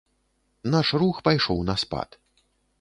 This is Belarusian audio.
Наш рух пайшоў на спад.